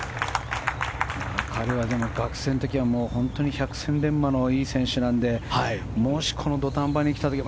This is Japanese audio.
彼はでも学生の時は本当に百戦錬磨のいい選手なのでもしこの土壇場に来た時に。